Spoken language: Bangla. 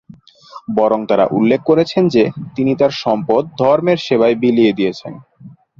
বরং তারা উল্লেখ করেছেন যে তিনি তার সম্পদ ধর্মের সেবায় বিলিয়ে দিয়েছেন।